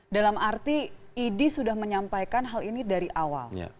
dalam arti idi sudah menyampaikan hal ini dari awal